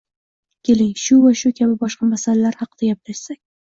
Keling, shu va shu kabi boshqa masalalar haqida gaplashsak.